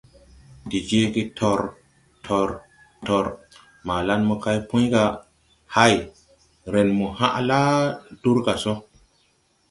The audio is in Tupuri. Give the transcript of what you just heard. De jeege tor! Tor! Tor! Malan mokay Puy ga: « Hay! Ren mo hãʼ la dur ga so!